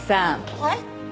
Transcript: はい？